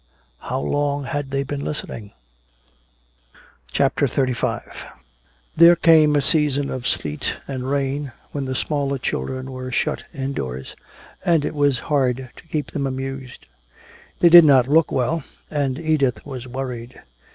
How long had they been listening? CHAPTER XXXV There came a season of sleet and rain when the smaller children were shut indoors and it was hard to keep them amused. They did not look well, and Edith was worried.